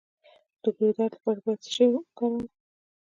د ګلو درد لپاره باید څه شی وکاروم؟